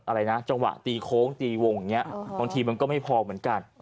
อะไรน่ะจังหวะตีโค้งตีวงเนี้ยอ๋อบางทีมันก็ไม่พอเหมือนกันอ๋อ